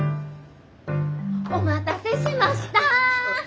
お待たせしました！